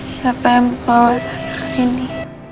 siapa yang bawa saya kesini